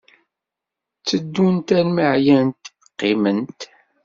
Tteddunt armi ɛyant, qqiment.